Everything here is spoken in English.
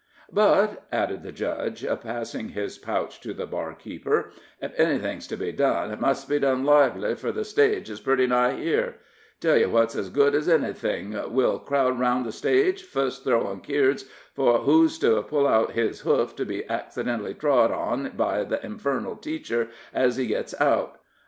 But," added the judge, passing his pouch to the barkeeper, "if anything's to be done, it must be done lively, fur the stage is pretty nigh here. Tell ye what's ez good ez ennything. We'll crowd around the stage, fust throwin' keards for who's to put out his hoof to be accidently trod onto by the infernal teacher ez he gits out.